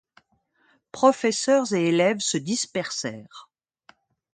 Professeurs et élèves se dispersèrent.